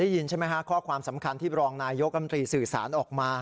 ยินใช่ไหมฮะข้อความสำคัญที่บรองนายกรรมตรีสื่อสารออกมา